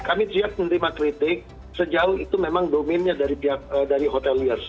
kami siap menerima kritik sejauh itu memang domainnya dari hotel liar